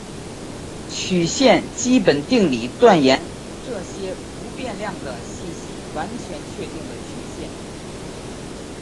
曲线基本定理断言这些不变量的信息完全确定了曲线。